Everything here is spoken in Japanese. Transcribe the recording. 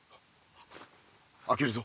開けるぞ。